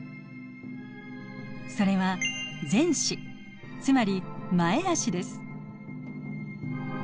それは前肢つまり前あしです。